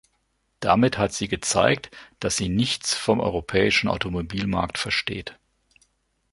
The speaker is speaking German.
Damit hat sie gezeigt, dass sie nichts vom europäischen Automobilmarkt versteht.